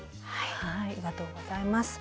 ありがとうございます。